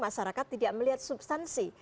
masyarakat tidak melihat substansi